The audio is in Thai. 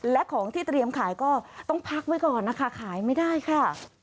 และของที่เตรียมขายก็ต้องพักไว้ก่อนนะคะขายไม่ได้ค่ะ